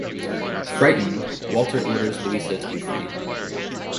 Frightened, Walter orders Luisa to be freed.